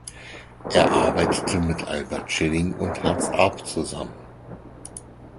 Er arbeitete mit Albert Schilling und Hans Arp zusammen.